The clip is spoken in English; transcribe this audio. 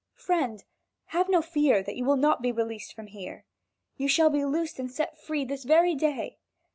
"Friend, have no fear that you will not be released from here. You shall be loosed and set free this very day.